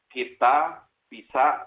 kita bisa mendapatkan patent